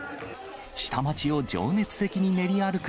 下町を情熱的に練り歩く